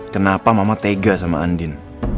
kenapa mama tega sama andin